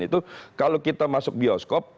itu kalau kita masuk bioskop